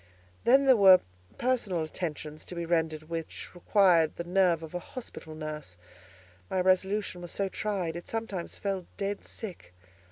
Then there were personal attentions to be rendered which required the nerve of a hospital nurse; my resolution was so tried, it sometimes fell dead sick.